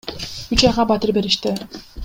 Үч айга батир беришти.